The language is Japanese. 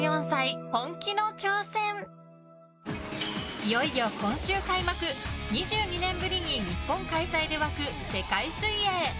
いよいよ今週開幕２２年ぶりに日本開催で沸く世界水泳。